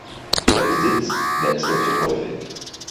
Der Besitz wechselte häufig.